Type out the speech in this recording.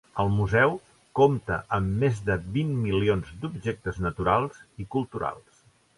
El museu compta amb més de vint milions d'objectes naturals i culturals.